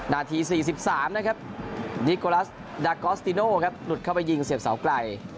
นาที๔๓นะครับนิโกลัสดากอสติโน่ครับหลุดเข้าไปยิงเสียบเสาไกล